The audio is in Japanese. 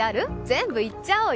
全部行っちゃおうよ